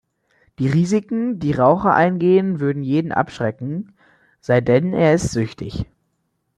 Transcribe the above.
Die Risiken, die Raucher eingehen, würden jeden abschrecken sei denn er ist süchtig.